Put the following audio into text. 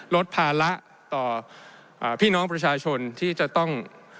ลดภาระต่อพี่น้องประชาชนที่จะต้อง